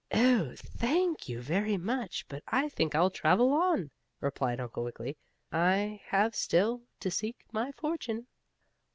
"Oh, thank you very much, but I think I'll travel on," replied Uncle Wiggily. "I have still to seek my fortune."